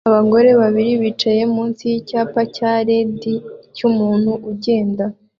Abagore babiri bicaye munsi yicyapa cya LED cyumuntu ugenda